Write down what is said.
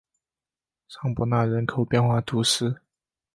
尚博纳人口变化图示